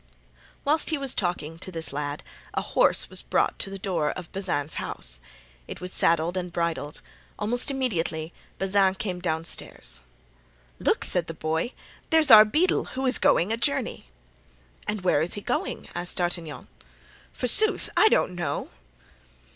Whilst he was talking to this lad a horse was brought to the door of Bazin's house. It was saddled and bridled. Almost immediately Bazin came downstairs. "Look!" said the boy, "there's our beadle, who is going a journey." "And where is he going?" asked D'Artagnan. "Forsooth, I don't know."